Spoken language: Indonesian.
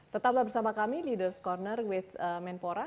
tetaplah bersama kami leaders corner with menpora